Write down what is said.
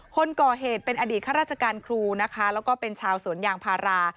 คนก่อเหตุเป็นอดีตข้าราชการครูนะคะแล้วก็เป็นชาวสวนยางพารา